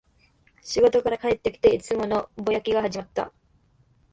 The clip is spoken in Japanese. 仕事から帰ってきて、いつものぼやきが始まった